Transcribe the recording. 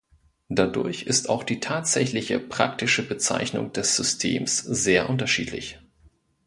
Dadurch ist auch die tatsächliche praktische Bezeichnung des Systems sehr unterschiedlich.